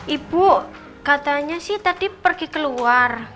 ibu katanya sih tadi pergi keluar